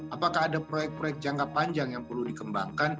apakah ada proyek proyek jangka panjang yang perlu dikembangkan